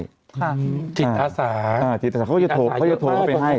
ค่ะจิตอาสาจิตอาสาเขาก็จะโทรเข้าไปให้